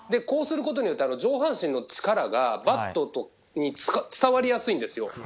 こうすることによって上半身の力がバットに伝わりやすいんですよ。